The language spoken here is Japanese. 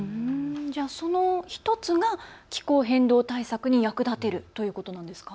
その１つが気候変動対策に役立てるということなんですか。